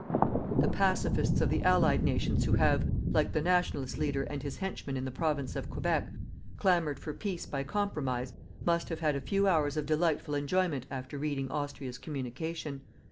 The pacifists of the Allied nations who have, like the Nationalist leader and his henchmen in the Province of Quebec, clamoured for peace by compromise, must have had a few hours of delightful enjoyment after reading Austria's communication.